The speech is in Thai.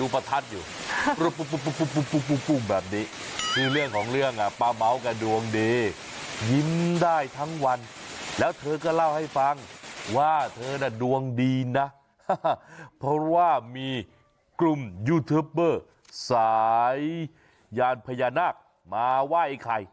เพราะว่ามีกลุ่มยูทูปเปอร์สายยานพญานักมาไหว้ไอ้ใคร